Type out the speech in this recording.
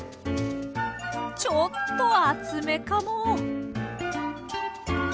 ちょっと厚めかも。